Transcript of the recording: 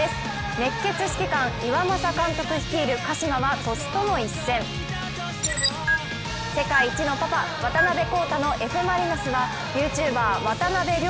熱血指揮官・岩政監督率いる鹿島は世界一のパパ渡辺皓太のＦ・マリノスはＹｏｕＴｕｂｅｒ・渡邊凌